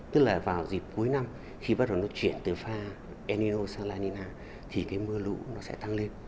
tức là vào dịp cuối năm khi bắt đầu nó chuyển từ pha el nino sang la nina thì cái mưa lũ nó sẽ tăng lên